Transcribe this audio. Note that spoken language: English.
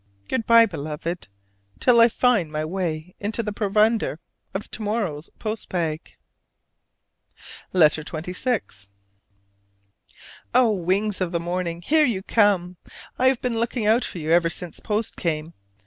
Good by, Beloved, till I find my way into the provender of to morrow's post bag. LETTER XXVI. Oh, wings of the morning, here you come! I have been looking out for you ever since post came.